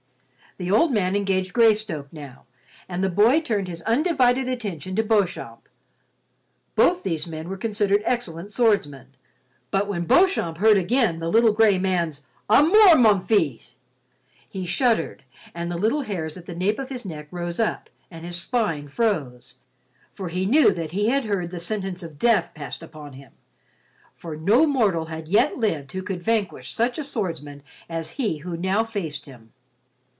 The old man engaged Greystoke now, and the boy turned his undivided attention to Beauchamp. Both these men were considered excellent swordsmen, but when Beauchamp heard again the little gray man's "à mort, mon fils," he shuddered, and the little hairs at the nape of his neck rose up, and his spine froze, for he knew that he had heard the sentence of death passed upon him; for no mortal had yet lived who could vanquish such a swordsman as he who now faced him.